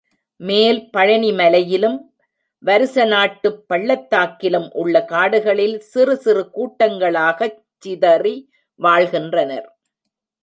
மேல் பழனிமலையிலும், வருசநாட்டுப் பள்ளத்தாக்கிலும் உள்ள காடுகளில், சிறு சிறு கூட்டங்களாகச் சிதறி வாழ்கின்றனர்.